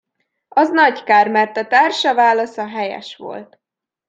Az nagy kár, mert a társa válasza helyes volt.